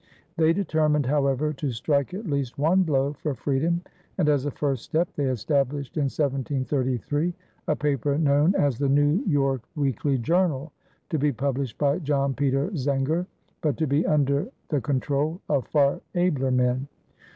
They determined, however, to strike at least one blow for freedom, and as a first step they established in 1733 a paper known as the New York Weekly Journal, to be published by John Peter Zenger, but to be under the control of far abler men.